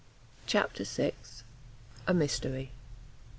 CHAPTER vi. A MYSTERY.